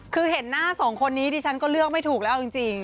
คือเห็นหน้าสองคนนี้ดิฉันก็เลือกไม่ถูกแล้วเอาจริง